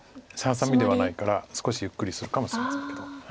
ハサミではないから少しゆっくりするかもしれませんけど。